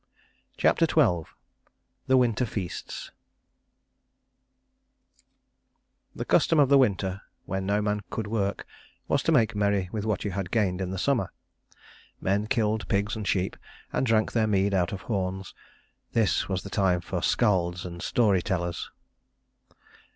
CHAPTER XII THE WINTER FEASTS The custom of the winter, when no man could work, was to make merry with what you had gained in the summer. Men killed pigs and sheep, and drank their mead out of horns. This was the time for skalds and story tellers.